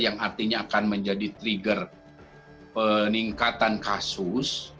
yang artinya akan menjadi trigger peningkatan kasus